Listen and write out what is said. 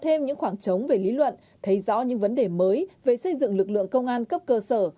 thêm những khoảng trống về lý luận thấy rõ những vấn đề mới về xây dựng lực lượng công an cấp cơ sở